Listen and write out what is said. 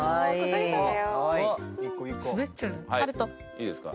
いいですか？